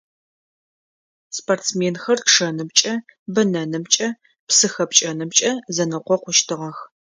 Спортсменхэр чъэнымкӀэ, бэнэнымкӀэ, псы хэпкӀэнымкӀэ зэнэкъокъущтыгъэх.